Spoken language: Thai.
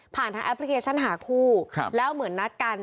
ทางแอปพลิเคชันหาคู่แล้วเหมือนนัดกัน